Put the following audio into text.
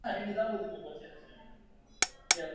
mahitaji ya siagi ni gram mia mbili hamsini